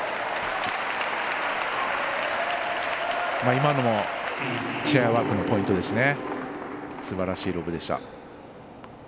今のもチェアワークのポイントですね。